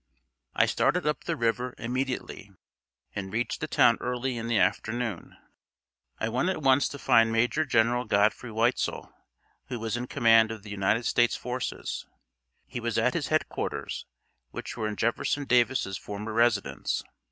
I started up the river immediately, and reached the town early in the afternoon. I went at once to find Major General Godfrey Weitzel, who was in command of the United States forces. He was at his headquarters, which were in Jefferson Davis's former residence.